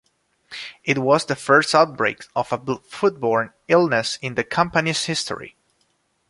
It was the first outbreak of a foodborne illness in the company's history.